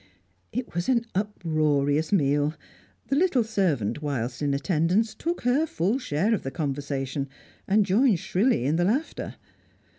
It was an uproarious meal. The little servant, whilst in attendance, took her full share of the conversation, and joined shrilly in the laughter.